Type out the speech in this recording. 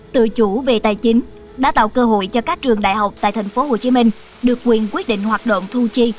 tự chủ về tài chính đã tạo cơ hội cho các trường đại học tại tp hcm được quyền quyết định hoạt động thu chi